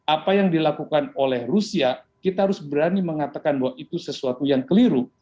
apa yang dilakukan oleh rusia kita harus berani mengatakan bahwa itu sesuatu yang keliru